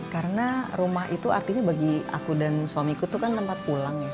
karena rumah itu artinya bagi aku dan suamiku tuh kan tempat pulang ya